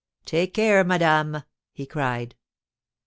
"Take care, madame!" he cried.